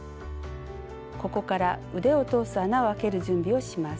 ここから腕を通す穴をあける準備をします。